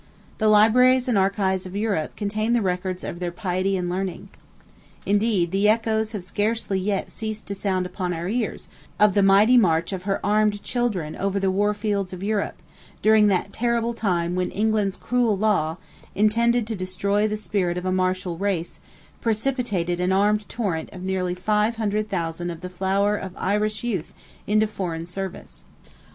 The libraries and archives of Europe contain the records of their piety and learning. Indeed the echoes have scarcely yet ceased to sound upon our ears, of the mighty march of her armed children over the war fields of Europe, during that terrible time when England's cruel law, intended to destroy the spirit of a martial race, precipitated an armed torrent of nearly 500,000 of the flower of the Irish youth into foreign service.